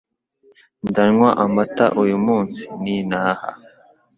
Ndanywa amata uyu munsi ni ntaha